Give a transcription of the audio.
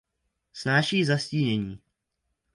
Snáší zastínění.